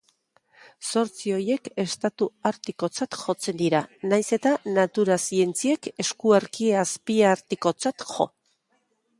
Zortzi horiek estatu artikotzat jotzen dira, nahiz eta natura zientziek eskuarki azpiartikotzat jo.